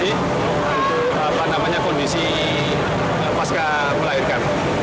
apa namanya kondisi pasca melahirkan